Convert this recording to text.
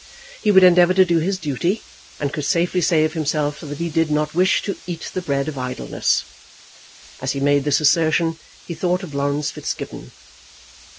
He would endeavour to do his duty, and could safely say of himself that he did not wish to eat the bread of idleness. As he made this assertion, he thought of Laurence Fitzgibbon.